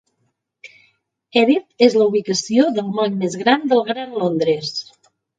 Erith és la ubicació del moll més llarg de Gran Londres.